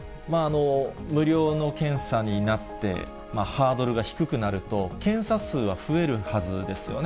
無料の検査になって、ハードルが低くなると、検査数は増えるはずですよね。